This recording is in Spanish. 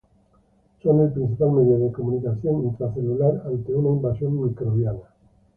Son el principal medio de comunicación intracelular ante una invasión microbiana.